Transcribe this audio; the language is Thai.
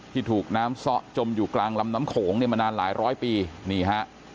ถูกน้ำซ่อจมอยู่กลางลำน้ำโขงเนี่ยมานานหลายร้อยปีนี่ฮะ